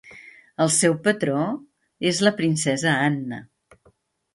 El seu patró és la princesa Anna.